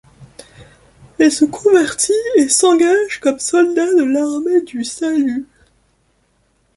Il se convertit et s'engage comme soldat de l'Armée du salut.